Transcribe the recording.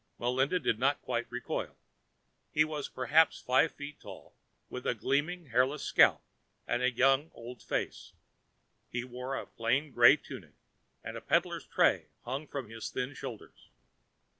Melinda did not quite recoil. He was perhaps five feet tall, with a gleaming hairless scalp and a young old face. He wore a plain gray tunic, and a peddler's tray hung from his thin shoulders.